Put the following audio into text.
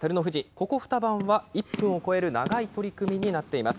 ここ２番は１分を超える長い取組になっています。